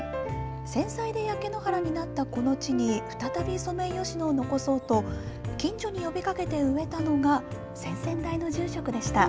戦災で焼け野原になったこの地に、再びソメイヨシノを残そうと、近所に呼びかけて植えたのが、先々代の住職でした。